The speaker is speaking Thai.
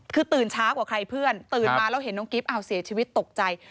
คือตื่นเช้ากว่าใครเพื่อนตื่นมาแล้วเห็นน้องกิ๊บอ้าวเสียชีวิตตกใจ